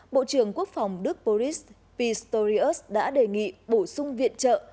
bộ trưởng quốc phòng đức boris pistorius đã đề nghị bổ sung viện trợ